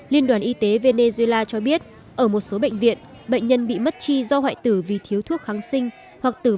liên đoàn y tế venezuela cho biết ở một số bệnh viện bệnh nhân bị mất chi do hoại tử vì thiếu thuốc kháng sinh hoặc tử vong